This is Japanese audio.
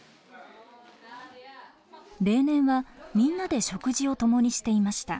例年はみんなで食事を共にしていました。